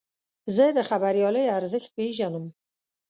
زه د خبریالۍ ارزښت پېژنم.